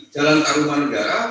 jalan tarum manegara jalan